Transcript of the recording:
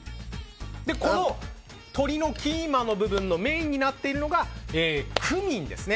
この鶏のキーマの部分のメインになっているのがクミンですね。